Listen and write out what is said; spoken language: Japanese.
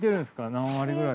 何割くらい。